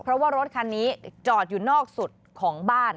เพราะว่ารถคันนี้จอดอยู่นอกสุดของบ้าน